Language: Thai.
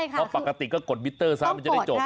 เพราะปกติก็กดมิเตอร์ซะมันจะได้จบ